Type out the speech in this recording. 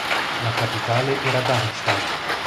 La capitale era a Darmstadt.